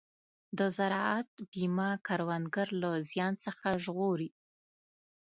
د زراعت بیمه کروندګر له زیان څخه ژغوري.